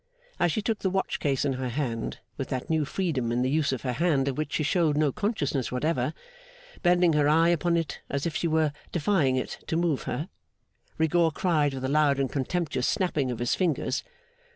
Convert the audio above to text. As she took the watch case in her hand, with that new freedom in the use of her hand of which she showed no consciousness whatever, bending her eyes upon it as if she were defying it to move her, Rigaud cried with a loud and contemptuous snapping of his fingers.